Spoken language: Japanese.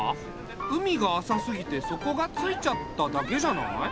海があさすぎてそこがついちゃっただけじゃない？